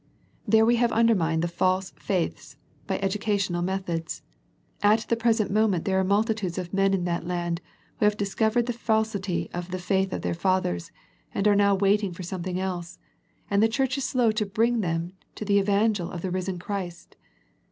There we have undermined The Philadelphia Letter i8i the false faiths by educational methods. At the present moment there are multitudes of men in that land, who have discovered the fal sity of the faith of their fathers, and are now waiting for something else, and the Church is slow to bring to them the Evangel of the risen Christ.